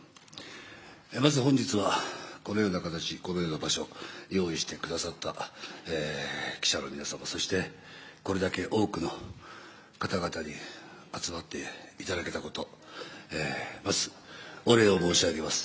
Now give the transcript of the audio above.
まず本日はこのような形、このような場所、用意してくださった記者の皆様そしてこれだけ多くの方々に集まっていただけこと、まず、お礼を申し上げます。